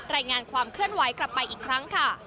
รายงานความเคลื่อนไหวกลับไปอีกครั้งค่ะ